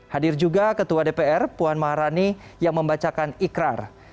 hadir juga ketua dpr puan maharani yang membacakan ikrar